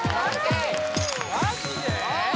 マジで？